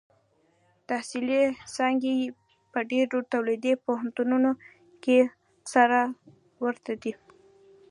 تحصیلي څانګې په ډېرو دولتي پوهنتونونو کې سره ورته دي.